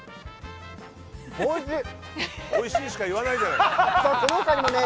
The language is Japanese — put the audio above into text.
おいしいしか言わないじゃない。